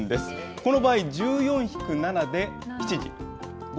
この場合、１４引く７で７時、５